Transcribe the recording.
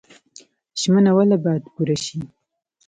ژمنه ولې باید پوره شي؟